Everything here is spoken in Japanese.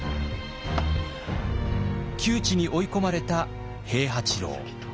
窮地に追い込まれた平八郎。